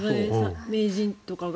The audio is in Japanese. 名人とかが。